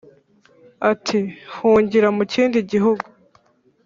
ati"hungira mukindi gihigu"